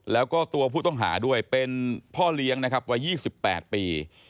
แล้วก็ตัวผู้ต้องหาด้วยเป็นพ่อเลี้ยงนะครับวัย๒๘ปี